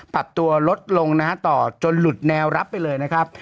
ปรับตัวลดลงนะฮะต่อจนหลุดแนวรับไปเลยนะครับ